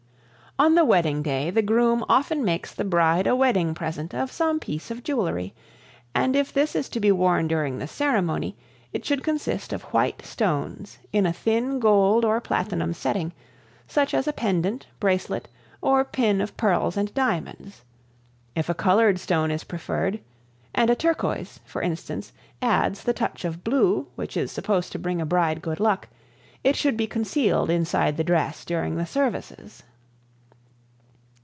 On the wedding day the groom often makes the bride a wedding present of some piece of jewelry, and if this is to be worn during the ceremony it should consist of white stones in a thin gold or platinum setting, such as a pendant, bracelet or pin of pearls and diamonds. If a colored stone is preferred and a turquoise, for instance, adds the touch of blue which is supposed to bring a bride good luck it should be concealed inside the dress during the services.